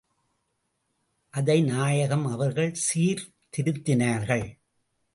அதை நாயகம் அவர்கள் சீர் திருத்தினார்கள்.